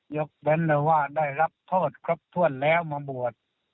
ยกเว้นเลยว่าได้รับโทษครบถ้วนแล้วมาบวช